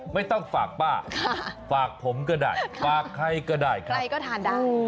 ไม่ต้องฝากป้าฝากผมก็ได้ฝากใครก็ได้ใครก็ทานได้